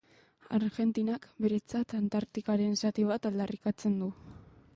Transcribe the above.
Argentinak beretzat Antartikaren zati bat aldarrikatzen du.